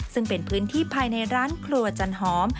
ซึ่งเป็นพื้นที่ภายในร้านครัวจันหอม